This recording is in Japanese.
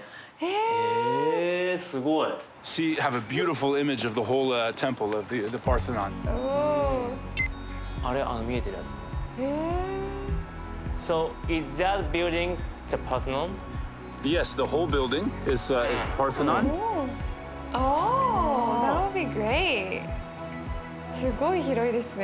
すごい広いですね。